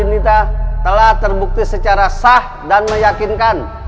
dan kita telah terbukti secara sah dan meyakinkan